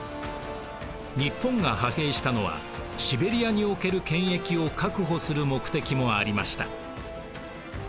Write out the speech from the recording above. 日本が派兵したのはシベリアにおける権益を確保する目的もありました。